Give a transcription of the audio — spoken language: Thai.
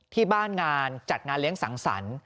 ที่บ้านงานจัดงานเลี้ยงสังสรรค์